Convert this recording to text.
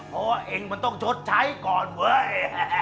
เพราะว่าเองมันต้องชดใช้ก่อนเว้ย